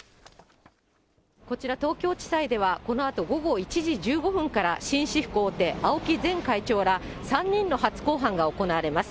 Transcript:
こちら、東京地裁ではこのあと午後１時１５分から、紳士服大手、ＡＯＫＩ前会長ら３人の初公判が行われます。